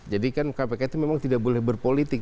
kan kpk itu memang tidak boleh berpolitik